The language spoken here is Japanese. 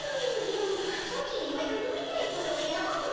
ソチにはたのみたいことが山ほどあるでの。